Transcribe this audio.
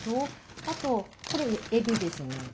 あとこれえびですね。